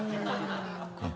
うん。